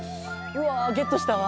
うわーゲットしたわ！